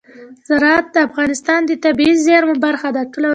زراعت د افغانستان د طبیعي زیرمو برخه ده.